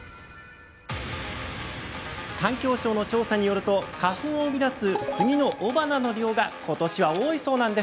環境省の調査によると花粉を生み出す杉の雄花の量が今年は多いそうなんです。